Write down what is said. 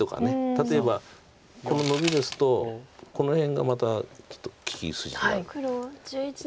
例えばこのノビですとこの辺がまたちょっと利き筋があるんです。